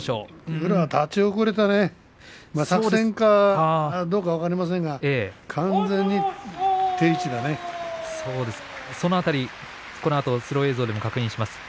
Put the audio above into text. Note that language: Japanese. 宇良は立ち遅れたね、作戦かどうか分かりませんが完全にその辺りスロー映像で見てみます。